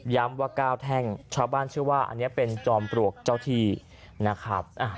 ว่า๙แท่งชาวบ้านเชื่อว่าอันนี้เป็นจอมปลวกเจ้าที่นะครับ